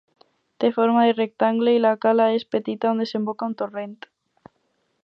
Té forma de rectangle i la cala és petita, on desemboca un torrent.